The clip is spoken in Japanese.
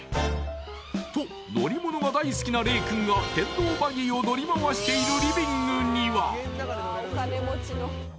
［と乗り物が大好きな麗君が電動バギーを乗り回している］